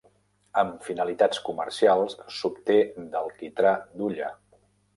Amb finalitats comercials, s'obté del quitrà d'hulla.